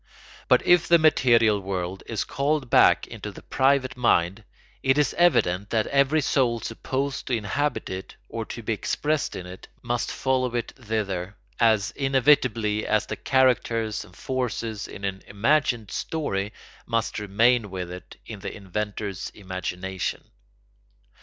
But if the material world is called back into the private mind, it is evident that every soul supposed to inhabit it or to be expressed in it must follow it thither, as inevitably as the characters and forces in an imagined story must remain with it in the inventor's imagination.